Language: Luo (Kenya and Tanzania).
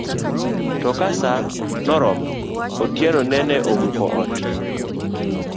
To ka saa noromo, otieno nene omuko ot